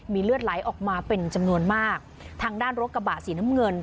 เลือดไหลออกมาเป็นจำนวนมากทางด้านรถกระบะสีน้ำเงิน